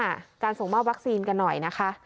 การส่งมอบวัคซีนกันหน่อยนะคะ